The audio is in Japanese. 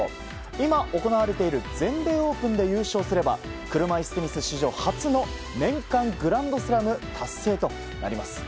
今、行われている全米オープンで優勝すれば車いすテニス史上初の年間グランドスラム達成となります。